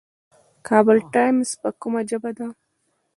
کابل ټایمز په کومه ژبه ده؟